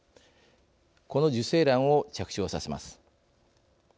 この受精卵を着床させます。